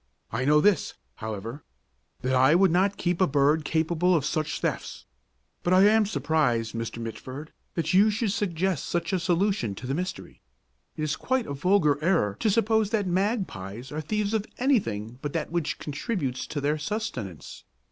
"I know this, however, that I would not keep a bird capable of such thefts. But I am surprised, Mr. Mitford, that you should suggest such a solution of the mystery. It is quite a vulgar error to suppose that magpies are thieves of anything but that which contributes to their sustenance.